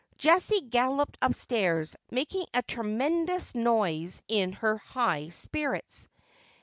Jessie galloped upstairs, making a tremendous noise in her high spirits.